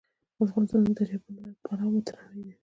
افغانستان د دریابونه له پلوه متنوع دی.